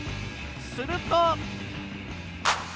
すると。